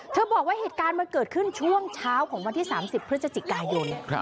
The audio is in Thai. บอกว่าเหตุการณ์มันเกิดขึ้นช่วงเช้าของวันที่๓๐พฤศจิกายน